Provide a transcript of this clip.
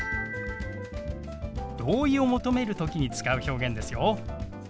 同意を求める時に使う表現ですよ。